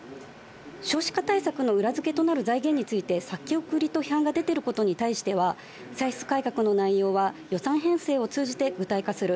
少子化対策の裏付けとなる財源について、先送りと批判が出ていることに対しては、歳出改革の内容は予算編成を通じて具体化する。